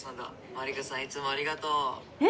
マリカさんいつもありがとう。え？